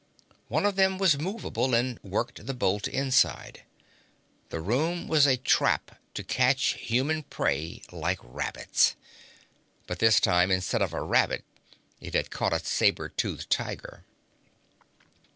One of them was movable and worked the bolt inside. The room was a trap to catch human prey like rabbits. But this time instead of a rabbit it had caught a saber toothed tiger.